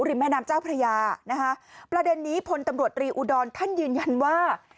หรือแม่นามเจ้าพระยาประเด็นนี้พนธ์ตำรวจตรีอุดรท่านยืนยันว่า